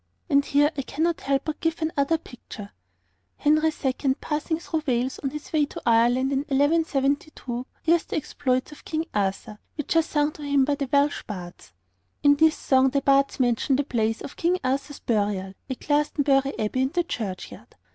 And here I cannot help but give another picture. Henry II., passing through Wales on his way to Ireland in 1172, hears the exploits of King Arthur which are sung to him by the Welsh bards. In this song the bards mention the place of King Arthur's burial, at Glastonbury Abbey in the churchyard.